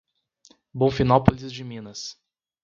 Bonfinópolis de Minas